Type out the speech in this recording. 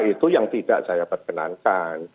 itu yang tidak saya perkenankan